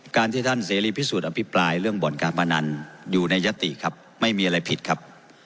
การที่ท่านเสรีพิสูจนอภิปรายเรื่องบ่อนการพนันอยู่ในยติครับไม่มีอะไรผิดครับ